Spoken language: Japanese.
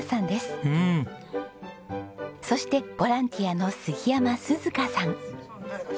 そしてボランティアの杉山涼花さん。